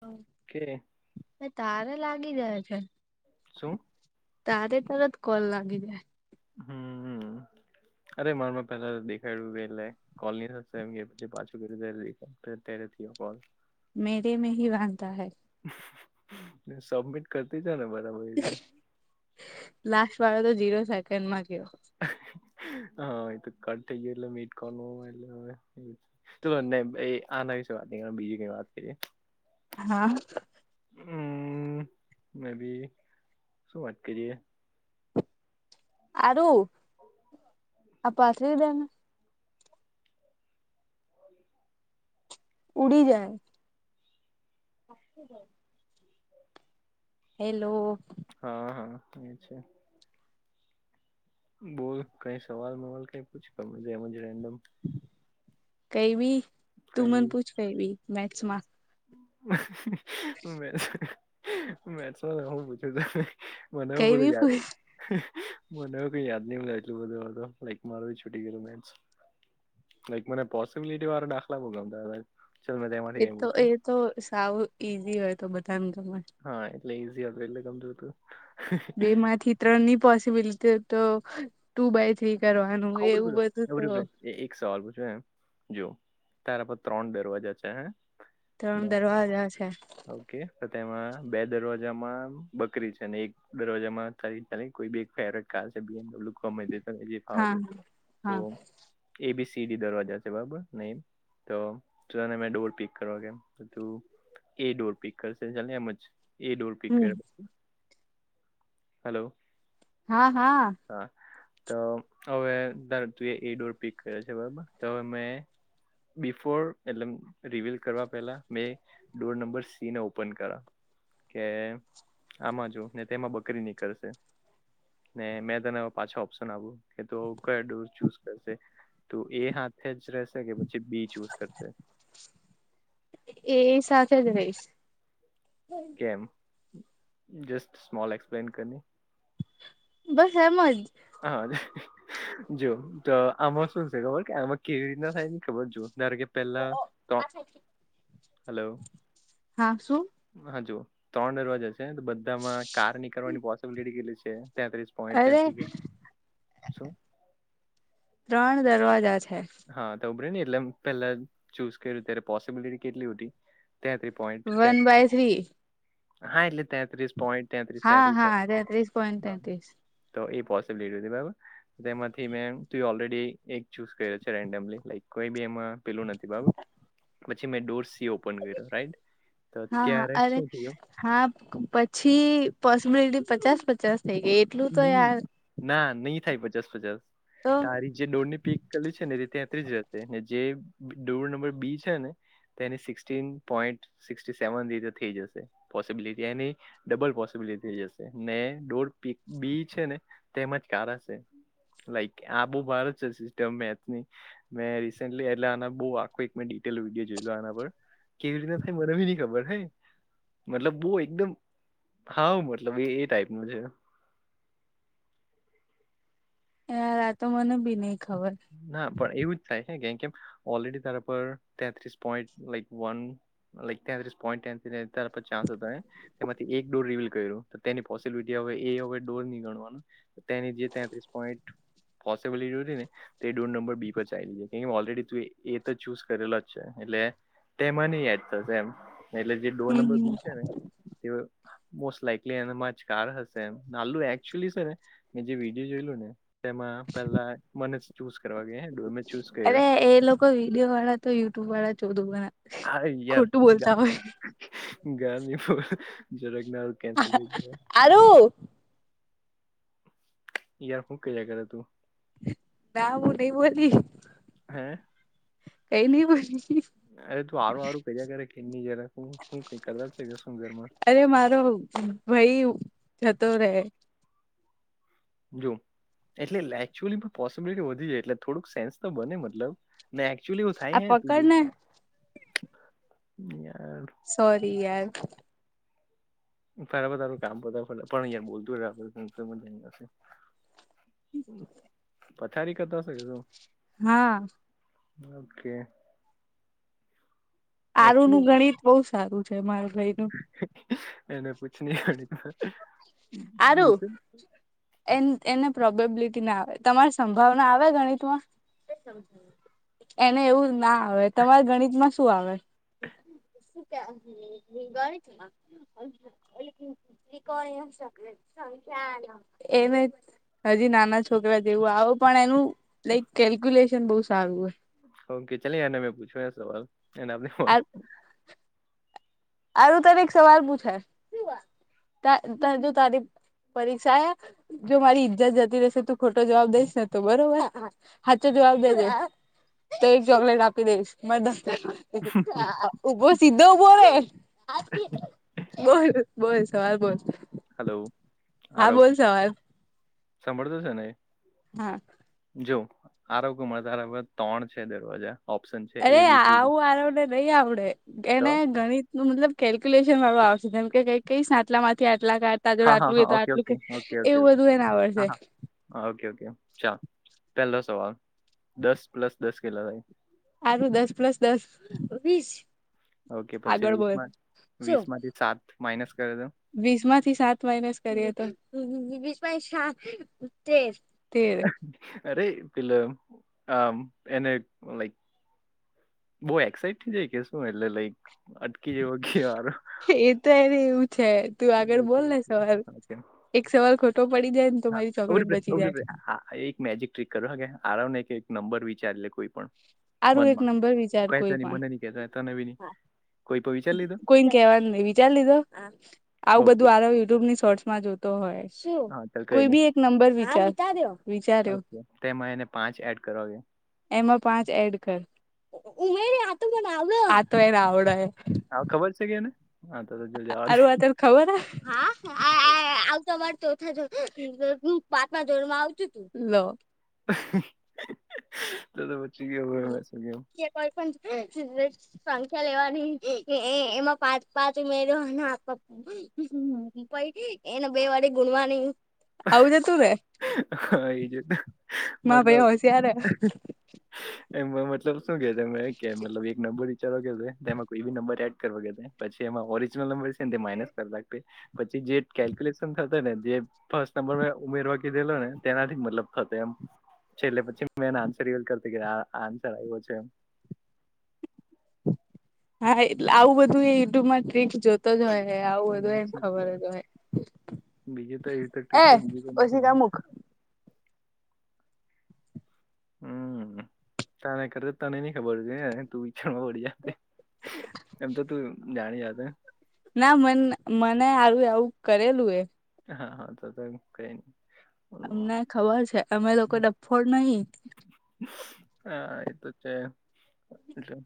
હઓ. કે હ તારે લાગી જાય છે શું તારે તરત કોલ લાગી જાય હમ્મ હમ્મ અરે મારમાં પેલા દેખાડું ની એટલે કોલ નુ ની થાય એમ કે પાછું [unintelligible] કોલ મેરે મે હિ વાંધા હૈ સબમિટ કરતી જા ને બરાબર એ લાસ્ટ વાળો તો ઝીરો સેકન્ડ માં ગયો. હા એ તો કટ થઈ ગયો એટલે મીટ કો એટલે હવે તો આના વિશે વાત નઈ કરવાની બીજી કઈ વાત કરીએ હા. હમ્મ મે બી શું વાત કરીએ આરું આ પાછરી દેને ઉડી જાય આખું જાય હેલો. હા હા એ છે. બોલ કઈ સવાલ મવાલ કઈ પૂછ એમજ રેન્ડમ કઈ ભી તું મન પૂછ કઈ ભી મેથસમા મે મેસ હુ પૂછુ ત મનેવું કઈ બરું બી યાર પૂછ મને કઈ યાદ નહ મળે એટલું બધો લક મારો છૂટી ગયું મેસ લાઈક મને પોસબિલિટી વાળ દાખલામાં ગમતા ચાલ મેં તેમાંથી એ કઈ તો એ પૂછું તો સાવ ઈઝી હોય, તો બધાને ગમ હા એટલે ઈઝી હત એટલે ગમજ હતુ બે માંથી ત્રણ નની પોસિબિલિટી તો ટુ બાય થ્રી કરવાનું હા ઉભી એવું રહો બધું તો ઉભી રહો એ એક સવાલ પૂછો જો તાર પર ત્રણ દરવાજા છે હ ત્રણ દરવાજા છે. ઓકે તેમાં બે દરવાજામાં બકરી છેને, એક દરરોજામાં કો હા તો હા એ બી સીડી દરવાજા છે બરાબર ન તો તું તને મે ડોર પિક કરવા કેમ તુ એ ડોરપિક કરશે ચ એમજ એ ડોર પિક હમ કરે હલો હા હા હા તો હવે તું એ એ ડોર પિક કર્યો છે બરોબર તો હવે મેં બિફોર એટ રિવિલ કરવા પેલા મે ડોર નંબર સી ને ઓપન કર કે આમાં જો ને તેમાં નોકરી નીકળશે ને મેં તને પાછા ઓપ્શન આપ્યું કે તોડોર ચૂઝ કરશે તો એ હાથે જ રહેશે કે પછી બી ચૂઝ કરશે એ સાથે જ રહીશ કેમ જસ્ટ સ્મોલ એક્સપ્લેન કરની બસ એમ જ હા જ જો તો આમાં શું છે ખબર કે આમાં કેવી રીત ના થાયને ખબર જોુ નારે કે પહેલા તો હા હલોવ હા શું હા જોુ ત્રણ દરવાજા છે ને તો બધામા કાર નીકળવાની પોસિબિલિટી કેટલી છે, તેત્રીસ પોઈન્ટ અરે તેત્રીસ છે શું ત્રણ દરવાજા છે. હા તો ઉભરે ન એટલે પેલા ચૂઝ કર્યું ત્યારે પોસિબિલિટી કેટલી ઊટી તેત્રીસ પોઈન્ટ વન બાય થ્રી તે્રી હા એટલે તેત્રીસ પોઈન્ટ તેંત્રીસ હા હા તેત્રીસ પોઈન્ટ તેંત્રીસ તેત્રીસ તો એ પોસિબલિટી બરાબર તેમાંથી મે તુ ઓલરેડી એક ચૂસ ન્ડ કોઈ બી એમાં પેલું નથી, બરાબર પછી મેં ડોર સી ઓપન કર્યો રાઈટ તો હા હા ત્યારે અરે શું થયુ. હા પછી પોસિબિલિટી પચાસ પચાસ થઈ ગઈ. એટલું તો નહી યાર ના નહી થાય પજસ પજસ તો તારી જે ડોરની પીક કરી છે ને તે ત્યાં ત્રીજ રતે ને જે ડોર નંબર બી છેને. એ સિક્ન પોઈન્ટ સ્ સેવન રીતે થઈ જશે પોસિબિલિટી એની ડબલ પોસિબિલિટી જશે ને ડોર પી બી છે ને તેમજ કારા છે. લાઈક આ બહુ ભારત છે, સિસ્ટમ મેથની મેં રિસેન્ટલી એટલે બ આખો એક મેં ડિટેલ વિડીયો જોયલુ આના પર કેવી રીતના થાય મને ભી નઈ ખબર હે મતલબ તુ એકદમ હા મતલબ એ એ ટાઈપનુ છે એમ હા તમને પણ નઈ ખબર હોય. ના પણ એવું જ થાય હે કેમ, કેમ ઓલરેડી તારા પર તેત્રીસ પોઈન્ટ લાઈક વન હવે એક ટાઇમ માટે તારો ચાન્સ હતો એમ. તેમાંથી એક ડોર રિવિલ કર્યું તેની પોસિબિલિટી હવે એ હવે ડોર નહી ગણવાનું. તેની જે તેત્રીસ પોઈન્ટ પોસિબલ હતી ને. તે ડોર નંબર બી પર ચાઇલ્ડ કે ઓલરેડી તું એ તો ચુઝ કરેલો જ છે, એટલે તેમાં નહી યાદ થશે એમ એટલે જે ડોર હમ નંબર હમ બી છે ને. એવો મોસ્ટ લાઈકલી એમાં જ કાર હશે એમ, નાલું એકચુલી છે ને મે જે વિડીયો જોયેલો ને તેમાં પેલા મને જ ચૂઝ કરવા ગયા. ડો મેં ચૂઝ કર્યો અરે એ લોકો વિડીયો વાળા તો યુટ્યુબ વાળા ચોદુ બનાવે. ખોટું બોલતા હોય. ગયા દિવસે જરાકનાલ કેન્સલ થયુ તો. આલુ. યાર હુ કર્યા કરે તુ? ના હું નહી બોલી. હે? એની બૈરી. અરે તું આરું આરું પેજા કરે જ રાખ હું કઈ કલર છે કે ઘરમાં? અરે મારો ભાઈ જતો રહે. જો એટલે એચુઅલી પોસિબિલિટી વધી જાય એટલે થોડુંક સેન્સ તો બને મતલબ. ના એકચુલી આ થાય હૈ તું, જો પકડ ને યાર. સોરી યાર. તારા બધાનું કામ કરતા પણ યાર બોલતુ રેવું એમ. પથારી કરતા હતાં કે શુ? હા. ઓકે. આરું નું એકચુલી ગણિત બહુ સારું છે માર ભાઈ નું. એને પૂછ તો ખરી તો. આરુ. એ એને પ્રોબેબિલિટી ના આવે તમારે સંભાવના આવે ગણિતમાં? એને એવું ના આવે તમારે ગણિતમાં શું આવે? શું કેવાનું ગણિત મા ત્રિકોણ એમ છ [unintelligible] એને હજી નાના છોકરા જેવું આવો પણ એનું લાઈક કેલ્ક્યુલેશન બહુ સારું. ઓકે ચલે યારને મેં પૂછવા યાર સવાલ એને આપને ફોન. હોય આારું તને એક સવાલ પૂછાય. તારે જો તારી પરીક્ષા જો મારી ઈજ્જત જતી રહેશે તો ખોટો જવાબ દઈશ ને તો બરોબર. હાચો જવાબ દે દઈશ, તો એક ચોકલેટ આપી દઈશ મારા દફતર. ઉભો સીધો ઉભો રે બોલ બોલ સવાલ બોલ? હા હલોઆરવ બોલ સવાલ સાંભળતો છે ને? હા. જો આરોગમાં બરાબર ત્રણ છે દરવાજા. ઓપ્શન છે અરે એ બી સી ડી આવું આરોને નઈ આવડે તો એને ગણિત હા મતલબ કેલ્ક્યુલેશન વાળું આવશે તેમ કે કઈ કઈ આટલા માંથી આટલા કાટ તાજુ હા હા આટલું હો હા તો ઓકે આટલું ઓકે ઓકે ઓકે એવું ઓકે બધું એને આવડશે. હા હા ઓકે ઓકે ચાલ પહેલો સવાલ દસ પ્લસ દસ કેટલો થાય? સારું દસ પ્લસ દસ વીસ. ઓકે પછી વીસ માં વીસ માંથી સાત માઇનસ કરે તો? વીસ માંથી સાત માઇનસ કરીએ તો વીસ તેર. અરે પેલ આ એને લાઈક બઉુ એક્સાઈટ થ જાય કે શું એટલે લાઈક અટકી જેવો ઘ. એ તો એને એવું છે. તું આગળ ઓકે બોલ ને ઓકે સવાલ ઓકે એક સવાલ ખોટો પડી જાય ને તો મારી ચોકલેટ બચી જાય હ એક મેજિક ટ્રિક કરો હ કે આરામ ને એક નંબર વિચારી લે કોઈ પણ. આરું એક મનમાં નંબર વિચાર કઈ કોઈ તને પણ મને નહીં કહેતો તને બી નહીં કોઈ પણ વિચારી લીધો કોઈ કેવાનું નઈિ વિચાર લીધો આવું બધું ઓકે આરો યુટ્યુબ ની શોર્ટસમાં જો. તો હોય શું હા ચાલ કઈ કોઈ નહીં બી એક નંબર વિચાર વિચાર્યો. ઓકે તેમાં એને પાંચ એડ કરવાે. એમાં પાંચ એડ કર ઉમેડે તો એને આવડ. હા ખબર છે કે એને હા તો જજવાજ. આરું આ તને ખબર હ હા આવતો અમાર ચોથા પાચમા જોડમાં આવતું તું. લ. ત બચી ગ હોય મેસ ગ. પ. સંખ્યા લેવાની એમાં પાંચ પાંચ ઉમેરવા અને પપ્પ. પાઈ એને બે વાડીે ગુડ મોર્નિંગ આવું જતું ને. હા એજ મા ભાઈ મતલબ હોશિયાર હે એમમાં મતલબ. શું કે તમે કે મતલબ એક નંબર. ચાલ કે એમાં કોઈ બી નંબર એડ કરવા કે પછી એમાં ઓરિજિનલ નંબર છે ને તે માઇનસ કર લખે. પછી જે કેલ્ક્યુલેશન થ ને જે. ફર્સ્ટ નંબર ઉમેરવાકી દેલો ને તેનાથી મતલબ થતો એમ. છેલ્ટલે પછી મેને આન્સર એવ કરતો આ આન્સર આવ્યો છે એમ. હા એટલે આવું બધું એ યુટ્યુબમાં ટ્રક જો. તો જ હોય આવું હત હમ, હોય એમ ઠીક ખબર યાર. જ હોય. બીજું તો એ એ ઓશિકા નથી. મૂક હમ તને કર તને નઈ ખબર છે તું પિકચણ માં પડી જ. એમ તો તું જાણી જાદ. ના મને મને આું એવું કરેલું એ. હા હા તો તો કઈ નહી. અમને ખબર છે અમે લોકોઈ ડફોળ નહીિ. હા એ તો છે એ.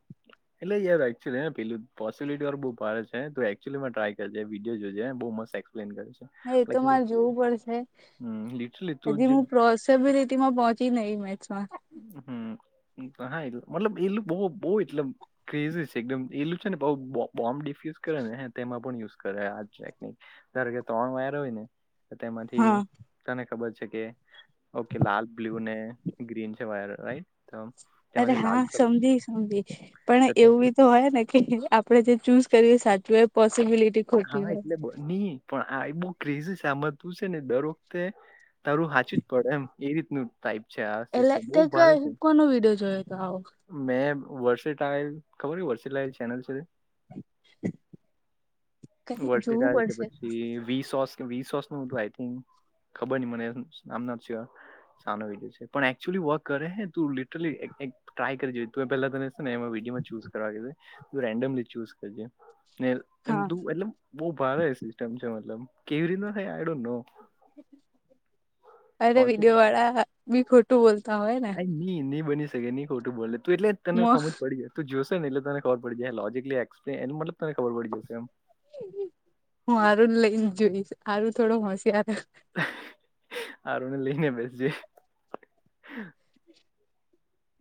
એટલે યારુલી પેલી પોસબિલિટી વાર બઉુ ભારે છે તો એકચુલી મે ટ્રાય કરે વિડીયો જોઈ બુ મ પ્લેન કરે છે. હા એ તો લાઈક મારે જોવું પડશે લિટરલી તું હજી જે હું પ્રો. સભી રીતી માં પહોંચી નઈ મેચમાં. હમ હા એ મતલબ એલું બ બહ એટલ. ક્રેઝ છે એકદમ એલું છે નેમ્. યુઝ કરે ને તેમાં પણ યુઝ કરે આ ટેકનિક કે ત્રણ વાયર હોય ને. તેમાંથી હા તને ખબર છે કે ઓકે લાલ બ્લુ ને ગ્રીન. રાઈટ. તો અરે તેમાંથી હા લાલ કલર સમજી સમજી પણ એવું. તો હોય ને કે આપડે જે ચૂઝ કર એ સાચું એ પોસિબિલિટી. ખોટી હા હોય એટલે નની. પણ આ એ બહ ક્રેઝી સામજવું છે ને દર વખતે તારું સાાચું જ પડે એમ એ રીતનું. ટઇપ છે આ એટલે સિસ્ટમ તે બહ ભારે કઈ છે. કોનો વિડીયો જોયો હતો આવો મેં વર્ષ ટાયલ ખબર હો વર્ષેટાયલ ચેનલ છે. [inaudible] કઈ વર્ષી જોવું તારી કે પડશે પછી વીસ સોસ વીસ સોસનું આઈ થિક ખબરની મને આમ નોટ સ્યોર શાનો વિડીયો છે પણ એકચુઅલી વર્ક કરે હે તુ લિટરલી એક એક ટ્રાય કરી જોઈએ તુએ પેલા તને ને એ વિડીયોમાં ચૂઝ કરવા રેન્ડમલી ચૂઝ કરજે ને એમ હા તુ એટલે બો ભારે સિસ્ટમ છે મતલબ કેવી રીતના થાય આય ડોન્ટનો. અરે વિડીયો વાળા બી ખોટું બોલતા હોય ને. આ ની ની બની શકે ની ખોટું બોલેે તુ એટલે તને મો હમજ પડી જશે. તુ જોશે ને એટલે તને ખબર પડી જાય લોજીકલી એક્પલેન એ મતલબ તને ખબર પડી જશે એમ. હું આરું જ લઈને જોઈશ આરું થોડો હોશિયાર. આરુંને લઈને બેસજે.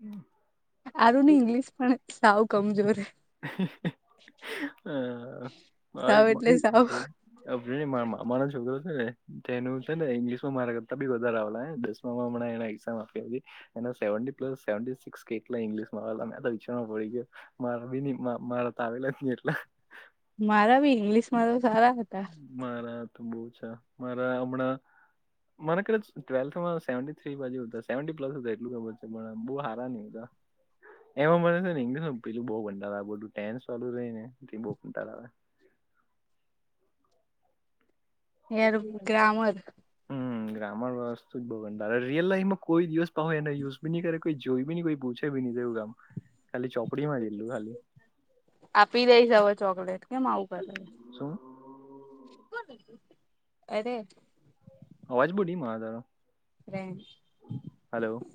હમ. આારુંની ઇંગ્લિશ પણ સાવ કમજોર. હ મારી સાવ એટલે સાવ મારી. ઉભરેની મા મામાનો છોકરો છે ને તેનું છે ને ઇંગ્લિશમાં મારા કરતાં બી વધારે આવેલા હે દસ મા હમણાં એને એક્ઝામ આપ્યા છે. એના સેવન્ટી સવિક્સ કેટલા ઇંગ્લશમાં આવે વિચાર પડી ગયો મા આવી ન મારા તો આવેલા જ ની એટલા. મારા બી ઇંગ્લિશમાં તો સારા હતા. મારા તો બો ઓછા મારા હમણાં મને કદાચ ટ્વેલ્થમાં સેવન્ટી થ્રી બાજુ સેવન્ટી પ્લસ એટલું ખબર છે પણ બો હારાની. [unintelligible] એમાં મને છે ને ઇંગ્લશ પેલું બો કટાળ ટેન્સ વારુ રઈને બઉ કંટાળો આવેે. [unintelligible] ગ્રામર. હમ. ગ્રામર વસ્તુ જ બો રિયલ લાઈફમાં કોઈ દિવસ પાહુ એને યુઝ બીની કરે કોઈ જોઈ બીની કોઈ પૂછે તેવું કામ ખાલી ચોપડીમાં જેટલું ખાલી. આપી દઈશ હવે ચોકલેટ કેમ આવું કરે. શું? અરેે. અવાજ બો ડીમ આવે તારો. [unintelligible] હલો.